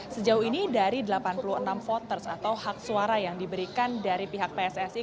sejauh ini dari delapan puluh enam voters atau hak suara yang diberikan dari pihak pssi